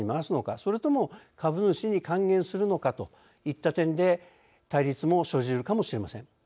それとも株主に還元するのかといった点で対立も生じるかもしれません。